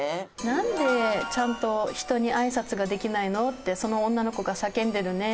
「“なんでちゃんと人にあいさつができないの？”ってその女の子が叫んでるね」。